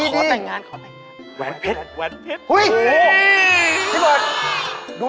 ไปครู